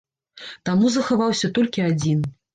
Таму захаваўся толькі адзін.